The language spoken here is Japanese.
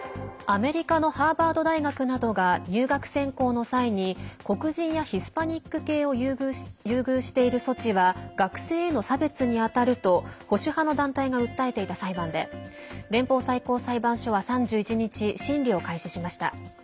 アメリカのハーバード大学などが入学選考の際に黒人やヒスパニック系を優遇している措置は学生への差別にあたると保守派の団体が訴えていた裁判で連邦最高裁判所は３１日審理を開始しました。